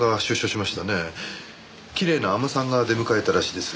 きれいな尼さんが出迎えたらしいです。